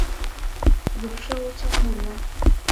vục sâu trong bùn lạnh?